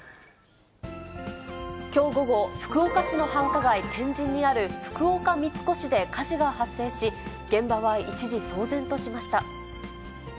きょう午後、福岡市の繁華街、天神にある福岡三越で火事が発生し、現場は一時騒然としました。